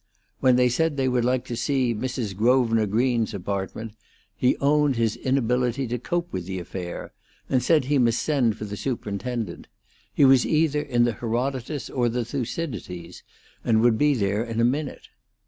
When they said they would like to see Mrs. Grosvenor Green's apartment, he owned his inability to cope with the affair, and said he must send for the superintendent; he was either in the Herodotus or the Thucydides, and would be there in a minute.